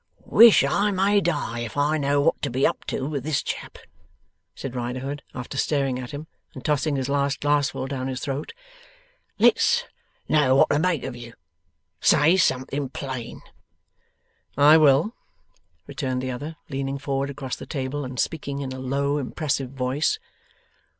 'Wish I may die if I know what to be up to with this chap!' said Riderhood, after staring at him, and tossing his last glassful down his throat. 'Let's know what to make of you. Say something plain.' 'I will,' returned the other, leaning forward across the table, and speaking in a low impressive voice.